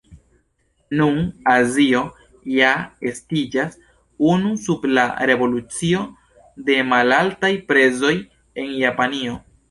Nun Azio ja estiĝas unu sub la revolucio de malaltaj prezoj en Japanio.